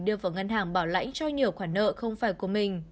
đưa vào ngân hàng bảo lãnh cho nhiều khoản nợ không phải của mình